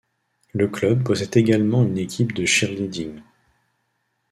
Le club possède également une équipe de Cheerleading.